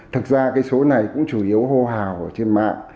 thực ra cái số này cũng chủ yếu hô hào ở trên mạng